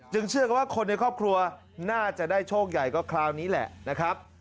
เชื่อกันว่าคนในครอบครัวน่าจะได้โชคใหญ่ก็คราวนี้แหละนะครับ